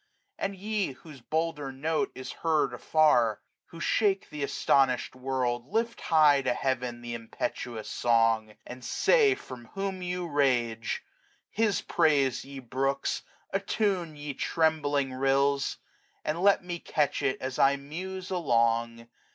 And ye, whose bolder note is heard afar, 45 A H T M N. S19 Who shake th* astonished world, lift high to heaven Th* impetuous song, and say from whom you rage. His praise, ye brooks, attune, ye trembling rills; And let me catch it as I muse along.